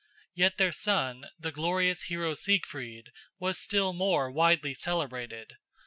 Yet their son, the glorious hero Siegfried, was still more widely celebrated.